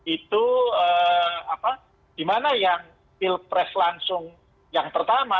itu dimana yang pilpres langsung yang pertama